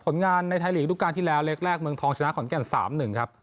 ผลงานในไทยลีกส์ลูกการที่แล้วเลขแรกเมืองทองชนะขอนแก่นสามหนึ่งครับ